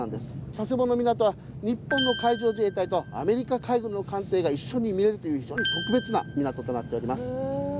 佐世保の港は日本の海上自衛隊とアメリカ海軍の艦艇が一緒に見れるという非常に特別な港となっております。